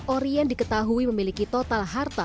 orien diketahui memiliki total harta